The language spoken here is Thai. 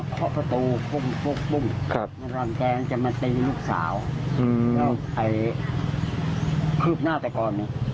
โคลพุ่มโคลพุ่มมีกรรมแจจะมาตีลูกสาวอืมที่น่าแต่ก่อนเนี้ย